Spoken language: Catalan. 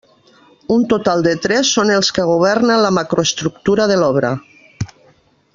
Un total de tres són els que governen la macroestructura de l'obra.